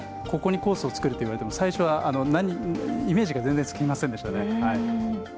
ここにコースを作るといわれても最初はイメージが全然つきませんでしたね。